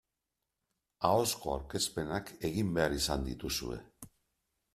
Ahozko aurkezpenak egin behar izan dituzue.